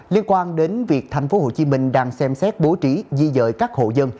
liên quan đến việc tp hcm đang xem xét bố trí di dời các hộ dân